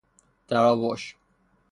تراوش